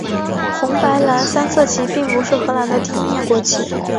红白蓝三色旗并不是荷兰的第一面国旗。